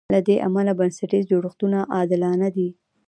له دې امله بنسټیز جوړښتونه عادلانه دي.